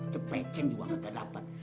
cepecing juga gak dapet